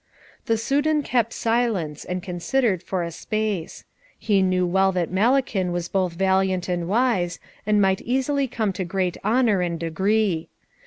The Soudan kept silence, and considered for a space. He knew well that Malakin was both valiant and wise, and might easily come to great honour and degree.